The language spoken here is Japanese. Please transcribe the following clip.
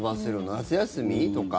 夏休みとか。